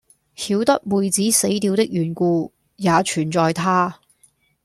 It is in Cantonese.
曉得妹子死掉的緣故，也全在他。